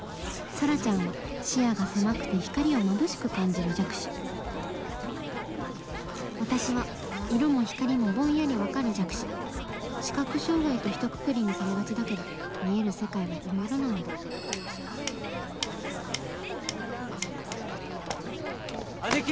空ちゃんは視野が狭くて光をまぶしく感じる弱視私は色も光もぼんやり分かる弱視「視覚障がい」とひとくくりにされがちだけど見える世界はいろいろなのだアネキ！